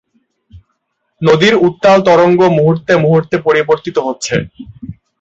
নদীর উত্তাল তরঙ্গ মুহূর্তে-মুহূর্তে পরিবর্তিত হচ্ছে।